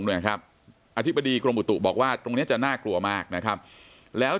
หน่อยครับอธิบดีกรมอุตุบอกว่าตรงเนี้ยจะน่ากลัวมากนะครับแล้ว